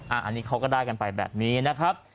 อันนี้เขาก็ได้กันไปแบบนี้นะครับ